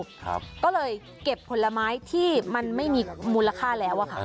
ก็เลยเก็บผลไม้ที่มันไม่มีมูลค่าแล้วอะค่ะ